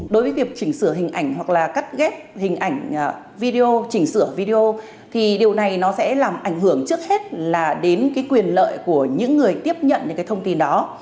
đối với việc chỉnh sửa hình ảnh hoặc là cắt ghép hình ảnh video chỉnh sửa video thì điều này nó sẽ làm ảnh hưởng trước hết là đến cái quyền lợi của những người tiếp nhận những cái thông tin đó